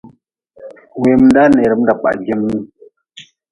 Weemdaa neeerm da kpah geem.